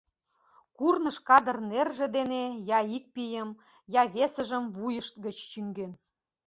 Курныж кадыр нерже дене я ик пийым, я весыжым вуйышт гыч чӱҥген.